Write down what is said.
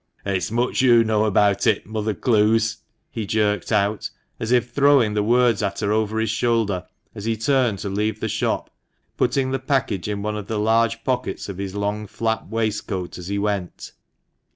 " It's much you know about it, Mother Clowes," he jerked out, as if throwing the words at her over his shoulder, as he turned to leave the shop, putting the package in one of the large pockets of his long flap waistcoat as he went.